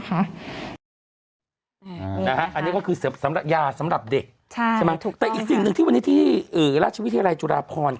อันนี้ก็คือยาสำหรับเด็กแต่อีกสิ่งที่วันนี้ที่ราชวิทยาลัยจุฬาพร